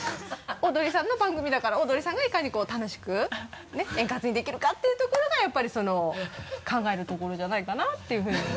オードリーさんの番組だからオードリーさんがいかに楽しく円滑にできるかっていう所がやっぱりその考える所じゃないかな？っていうふうに。